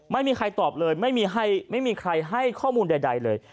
ไม่มีใครตอบเลยไม่มีใครให้ข้อมูลใดเลย